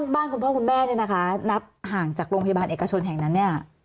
คุณพ่อคุณแม่เนี่ยนะคะนับห่างจากโรงพยาบาลเอกชนแห่งนั้นเนี่ย